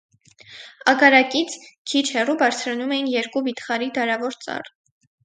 Ագարակից քիչ հեռու բարձրանում էին երկու վիթխարի դարավոր ծառ։